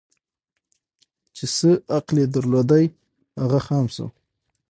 چي څه عقل یې درلودی هغه خام سو